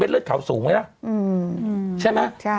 เม็ดเลือดขาวสูงไว้แล้วใช่ไหม